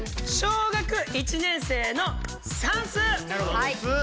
小学１年生の算数。